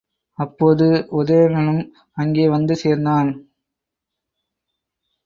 அப்போது உதயணனும் அங்கே வந்து சேர்ந்தான்.